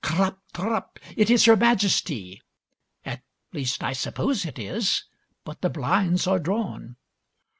Clop trop! It is Her Majesty. At least, I suppose it is, but the blinds are drawn.